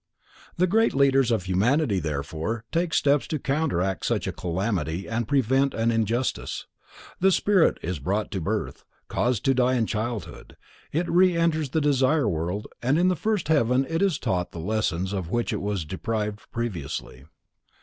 The Great Leaders of humanity therefore take steps to counteract such a calamity and prevent an injustice. The spirit is brought to birth, caused to die in childhood, it re enters the Desire World and in the first heaven it is taught the lessons of which it was deprived previously.